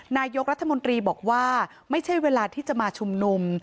นายกรัฐมนตรีบอกว่าไม่ใช่เวลาที่จะมาชุมนุม